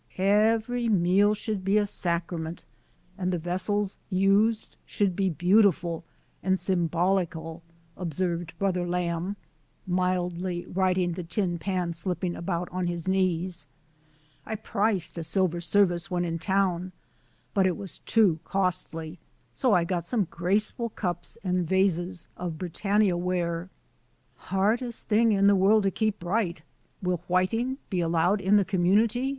"Every meal should be a sacrament, and the vessels used should be beautiful and symbolical," observed Brother Lamb, mildly, righting the tin pan slipping about on his knees. " I priced a sil . ver service when in town, but it was too costly; so . I got some graceful cups and vases of Britannia ware." "Hardest things in the world to keep bright. Will whiting be allowed in the community?"